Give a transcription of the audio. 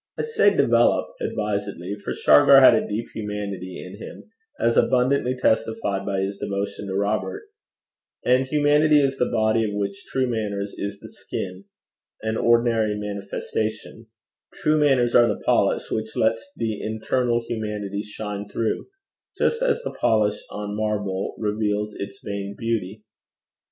I say develop advisedly, for Shargar had a deep humanity in him, as abundantly testified by his devotion to Robert, and humanity is the body of which true manners is the skin and ordinary manifestation: true manners are the polish which lets the internal humanity shine through, just as the polish on marble reveals its veined beauty.